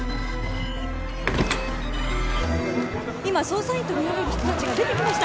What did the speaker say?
今捜査員とみられる人達が出てきました！